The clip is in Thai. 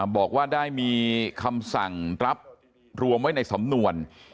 บอกว่าได้มีคำสั่งรับรวมไว้ในสำนวน